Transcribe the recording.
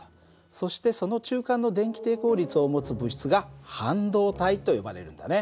そしてその中間の電気抵抗率を持つ物質が半導体と呼ばれるんだね。